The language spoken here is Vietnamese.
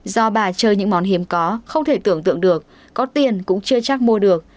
do bà chơi những món hiếm có không thể tưởng tượng được có tiền cũng chưa chắc mua được